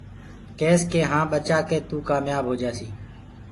ڪيس ڪي هآنٚ ٻچآ ڪي توُ ڪآميآب هوجآسيٚ۔